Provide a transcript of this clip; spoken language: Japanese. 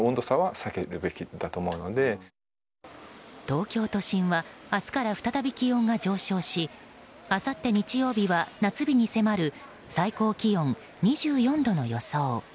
東京都心は明日から再び気温が上昇しあさって日曜日は夏日に迫る最高気温２４度の予想。